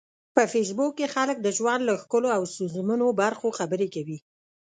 په فېسبوک کې خلک د ژوند له ښکلو او ستونزمنو برخو خبرې کوي